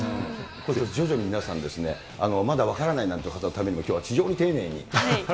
徐々に皆さん、まだ分からないなんていう方のためにも、きょうは非常に丁寧に。